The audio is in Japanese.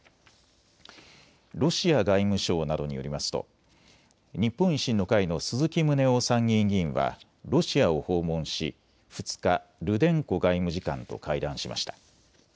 ロシア外務省などによりますと日本維新の会の鈴木宗男参議院議員はロシアを訪問し２日、ルデンコ外務次官と会談しました。